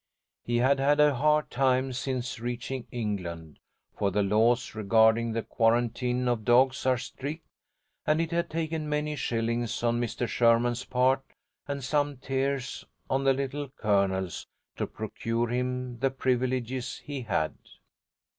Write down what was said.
He had had a hard time since reaching England, for the laws regarding the quarantining of dogs are strict, and it had taken many shillings on Mr. Sherman's part and some tears on the Little Colonel's to procure him the privileges he had.